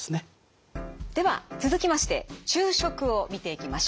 では続きまして昼食を見ていきましょう。